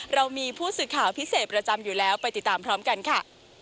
เรามีผู้สื่อข่าวพิเศษประจำอยู่แล้วไปติดตามพร้อมกันค่ะ